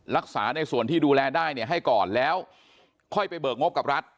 รักษาในส่วนที่ดูแลได้เนี่ยให้ก่อนแล้วค่อยไปเบิกงบกับรัฐ